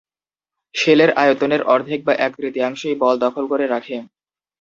শেলের আয়তনের অর্ধেক বা এক-তৃতীয়াংশই বল দখল করে রাখে।